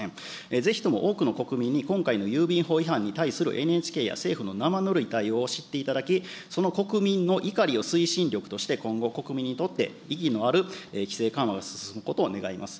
ぜひとも多くの国民に今回の郵便法違反に対するＮＨＫや政府の生ぬるい対応を知っていただき、その国民の怒りを推進力として今後、国民にとって意義のある規制緩和が進むことを願います。